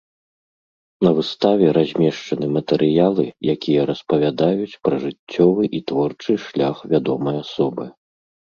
На выставе размешчаны матэрыялы, якія распавядаюць пра жыццёвы і творчы шлях вядомай асобы.